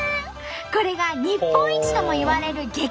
これが日本一ともいわれる激